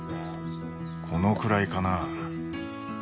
このくらいかな。